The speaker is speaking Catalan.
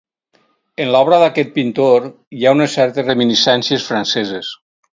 En l'obra d'aquest pintor hi ha certes reminiscències franceses.